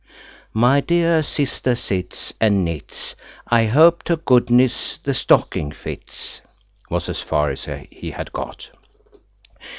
"My dear sister sits And knits, I hope to goodness the stocking fits," was as far as he had got.